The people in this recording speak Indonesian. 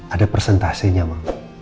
ada persentasenya ma